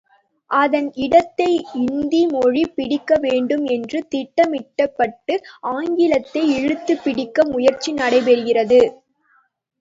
அதன் இடத்தை இந்தி மொழி பிடிக்க வேண்டும் என்று திட்டமிடப்பட்டு ஆங்கிலத்தை இழுத்துப்பிடிக்க முயற்சி நடைபெறுகிறது.